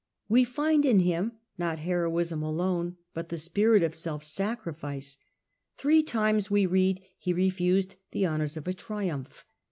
We find in him not heroism alone self sacri but the spirit of self sacrifice. Three times, fice. we read, he refused the honours of a triumph.